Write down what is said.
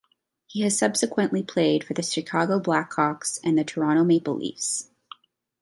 He has subsequently played for the Chicago Blackhawks and the Toronto Maple Leafs.